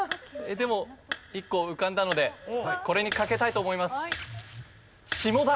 でも１個浮かんだのでこれにかけたいと思います。